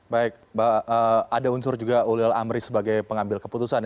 baik mbak ada unsur juga ulil amri sebagai pengambil keputusan